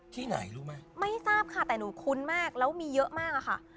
ที่ไหนรู้ไหมไม่ทราบค่ะแต่หนูคุ้นมากแล้วมีเยอะมากอะค่ะ